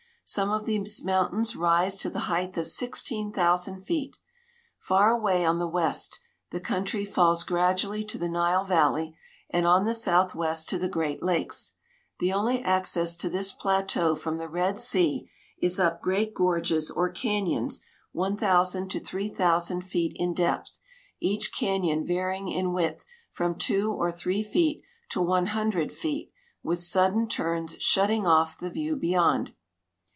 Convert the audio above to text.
Some of these mountains rise to the height of sixteen thousand feet. Far away on the west the countiy falls gradually to the Nile valley, and on the southwest to the great lakes. The only access to this plateau from the Red sea is up great gorges or canyons 1,000 to 3,000 feet in depth, each canyon vaiying in width from two or three feet to one hun dred feet, with sudden turns shutting off the view beyond.